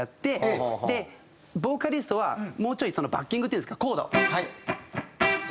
でボーカリストはもうちょいバッキングっていうんですかコード。